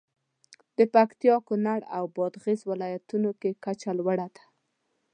د پکتیا، کونړ او بادغیس ولایتونو کې کچه لوړه ده.